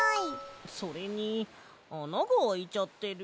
それにあながあいちゃってる。